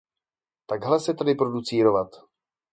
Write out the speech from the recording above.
Takhle se tady producírovat!